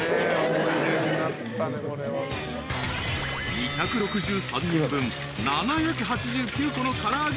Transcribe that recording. ［２６３人分７８９個の唐揚げ。